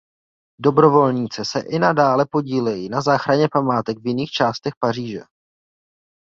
Dobrovolníci se i nadále podílejí na záchraně památek v jiných částech Paříže.